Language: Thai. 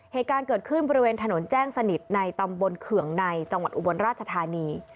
เหตุการณ์เกิดขึ้นบริเวณถนนแจ้งสนิทในตำบลเขื่องในจังหวัดอุบลราชธานี